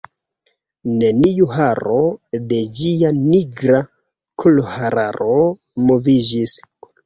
Neniu haro de ĝia nigra kolhararo moviĝis.